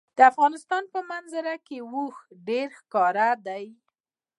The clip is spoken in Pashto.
د افغانستان په منظره کې اوښ ډېر ښکاره دی.